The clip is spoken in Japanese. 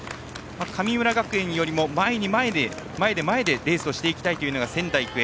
神村学園よりも前で、前でレースをしていきたいというのが仙台育英。